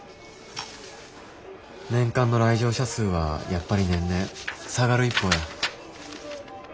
年間の来場者数はやっぱり年々下がる一方や。